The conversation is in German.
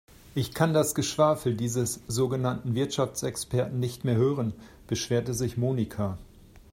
Ich kann das Geschwafel dieses sogenannten Wirtschaftsexperten nicht mehr hören, beschwerte sich Monika.